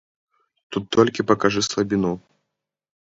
Тут толькі пакажы слабіну.